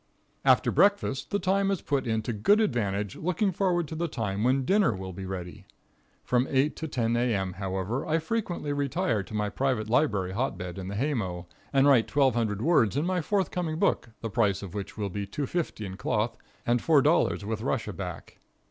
After breakfast the time is put in to good advantage looking forward to the time when dinner will be ready. From 8 to 10 A. M., however, I frequently retire to my private library hot bed in the hay mow, and write 1,200 words in my forthcoming book, the price of which will be $2.50 in cloth and $4 with Russia back.